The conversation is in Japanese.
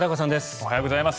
おはようございます。